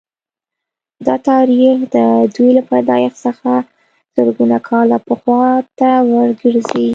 دا تاریخ د دوی له پیدایښت څخه زرګونه کاله پخوا ته ورګرځي